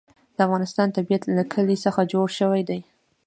د افغانستان طبیعت له کلي څخه جوړ شوی دی.